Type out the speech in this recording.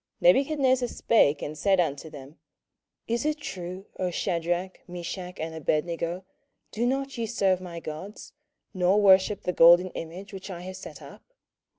27:003:014 Nebuchadnezzar spake and said unto them, Is it true, O Shadrach, Meshach, and Abednego, do not ye serve my gods, nor worship the golden image which I have set up?